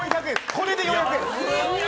これで４００円ですよ。